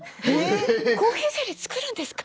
コーヒーゼリー作るんですか？